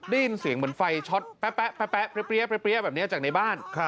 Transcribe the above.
ได้ยินเสียงเหมือนไฟช็อตแป๊ะแบบนี้จากในบ้าน